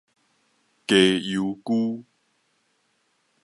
雞油龜